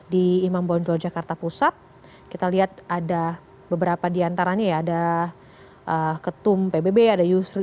di imam bonjol jakarta pusat kita lihat ada beberapa diantaranya ya ada ketum pbb ada yusri